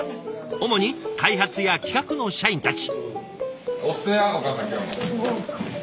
主に開発や企画の社員たち。